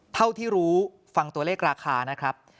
เท่าที่รู้ฟังตัวเลขราคานะครับ